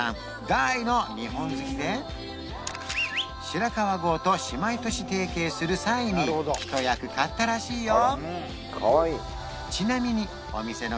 大の日本好きで白川郷と姉妹都市提携する際に一役買ったらしいよ